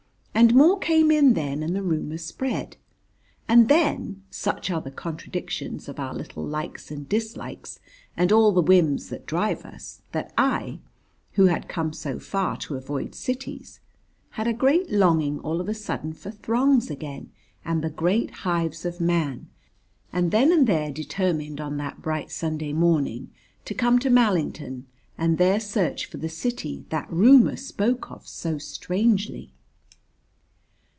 And more came in then and the rumour spread. And then, such are the contradictions of our little likes and dislikes and all the whims that drive us, that I, who had come so far to avoid cities, had a great longing all of a sudden for throngs again and the great hives of Man, and then and there determined on that bright Sunday morning to come to Mallington and there search for the city that rumour spoke of so strangely.